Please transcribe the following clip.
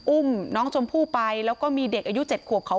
อุ้มน้องชมพู่ไปแล้วก็มีเด็กอายุ๗ขวบเขา